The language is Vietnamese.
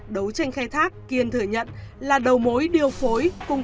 đấu tranh khai thác kiên thừa nhận là đầu mối điều phối